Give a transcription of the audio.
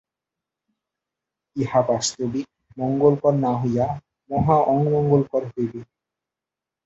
ইহা বাস্তবিক মঙ্গলকর না হইয়া মহা অমঙ্গলকর হইবে।